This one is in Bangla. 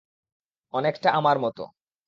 অনেকটা আমার মতো।